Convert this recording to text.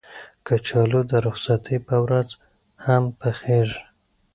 کچالو د رخصتۍ په ورځ هم پخېږي